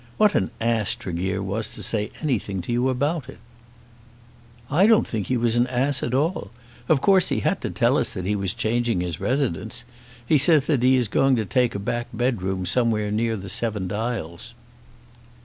What an ass Tregear was to say anything to you about it." "I don't think he was an ass at all. Of course he had to tell us that he was changing his residence. He says that he is going to take a back bedroom somewhere near the Seven Dials."